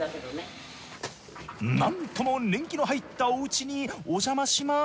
なんとも年季の入ったお家におじゃまします。